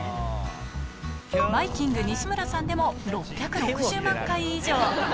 ばいキング・西村さんでも６６０万回以上。